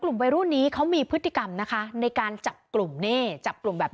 กลุ่มวัยรุ่นนี้เขามีพฤติกรรมนะคะในการจับกลุ่มนี่จับกลุ่มแบบนี้